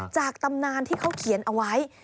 ตำนานที่เขาเขียนเอาไว้